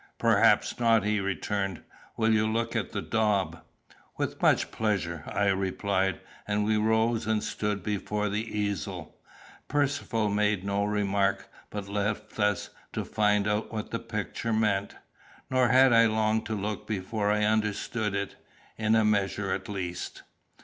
"Perhaps not," he returned. "Will you look at the daub?" "With much pleasure," I replied, and we rose and stood before the easel. Percivale made no remark, but left us to find out what the picture meant. Nor had I long to look before I understood it in a measure at least.